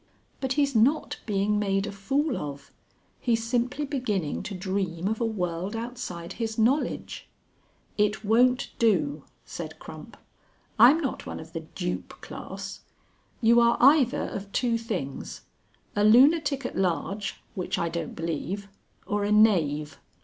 "But he's not being made a fool of. He's simply beginning to dream of a world outside his knowledge " "It won't do," said Crump. "I'm not one of the dupe class. You are either of two things a lunatic at large (which I don't believe), or a knave.